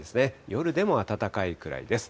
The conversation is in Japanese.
夜でも暖かいくらいです。